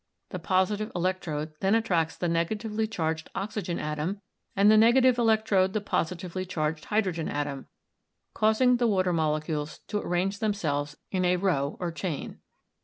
The positive elec trode then attracts the negatively charged oxygen atom, and the negative electrode the positively charged hydro gen atom, causing the water molecules to arrange them selves in a row or chain.